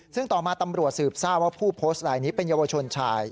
ซึ่งต่อมาตำรวจสืบทราบว่าผู้โพสต์ลายนี้เป็นเยาวชนชาย